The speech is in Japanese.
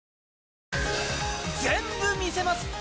全部見せます！